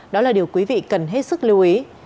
đó là điều quý vị cần hết sức lưu ý